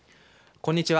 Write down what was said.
こんにちは。